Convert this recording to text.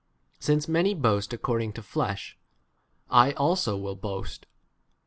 Since many boast according to flesh, I 19 also will boast.